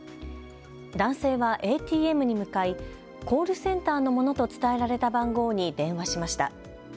男性はＡＴＭに向かい、コールセンターのものと伝えられた番号に電話しました。